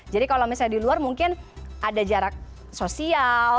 jadi kalau misalnya di luar mungkin ada jarak sosial